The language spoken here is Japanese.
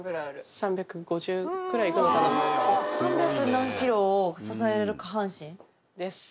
三百何キロを支えられる下半身？です